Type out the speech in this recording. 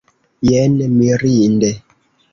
Jen mirinde!